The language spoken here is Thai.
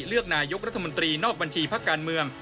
เลือกนายกรัฐมนตรีนอกบัญชีพักการเมือง